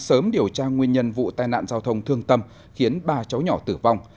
sớm điều tra nguyên nhân vụ tai nạn giao thông thương tâm khiến ba cháu nhỏ tử vong